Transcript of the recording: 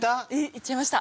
言っちゃいました。